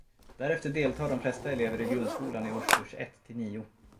Därefter deltar de flesta elever i grundskolan i årskurs ett till nio.